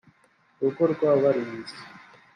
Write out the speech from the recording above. rugo rw abarinzi